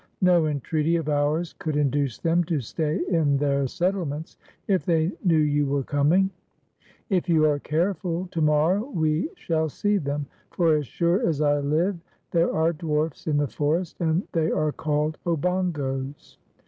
No entreaty of ours could induce them to stay in their settlements if they knew you were com ing. If you are careful, to morrow we shall see them, for as sure as I live there are dwarfs in the forest, and they are called Obongos."